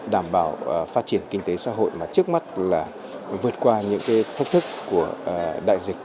đảm bảo phát triển kinh tế xã hội mà trước mắt là vượt qua những thách thức của đại dịch